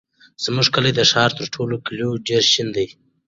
زموږ کلی د ښار تر ټولو کلیو ډېر شین دی.